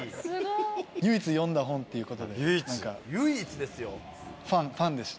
唯一読んだ本ということで、ファンでした。